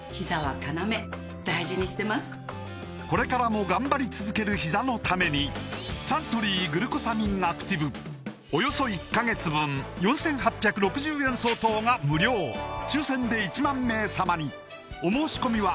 これからも頑張り続けるひざのためにおよそ１カ月分４８６０円相当が無料抽選で１万名様にお申し込みは